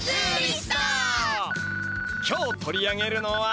今日取り上げるのは。